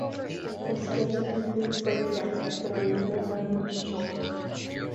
This gives a complete breakdown of the movement of each joint.